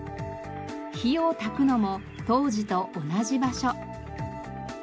火をたくのも当時と同じ場所。